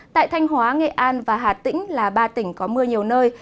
tại thanh hóa nghệ an và hà tĩnh là ba tỉnh có mưa nhiều nơi